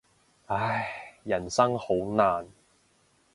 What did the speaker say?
唉，人生好難。